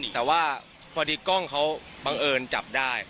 แต่ว่าพอดีกล้องเขาบังเอิญจับได้